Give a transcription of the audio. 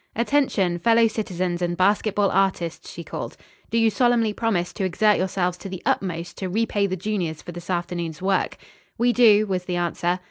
"Attention, fellow citizens and basketball artists," she called. "Do you solemnly promise to exert yourselves to the utmost to repay the juniors for this afternoon's work?" "We do," was the answer.